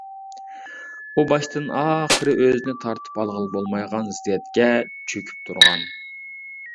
ئۇ باشتىن-ئاخىرى ئۆزىنى تارتىپ ئالغىلى بولمايدىغان زىددىيەتكە چۆكۈپ تۇرغان.